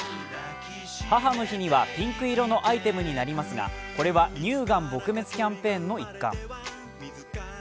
母の日にはピンク色のアイテムになりますが、これは乳がん撲滅キャンペーンの一環。